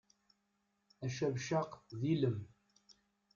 Acabcaq d ilem.